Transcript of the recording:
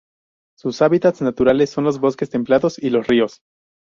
Sus hábitats naturales son los bosques templados y los ríos.